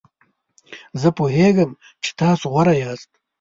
زه پوهیږم چې تاسو غوره یاست.